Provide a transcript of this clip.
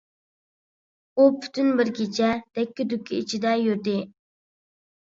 ئۇ پۈتۈن-بىر كېچە دەككە-دۈككە ئىچىدە يۈردى.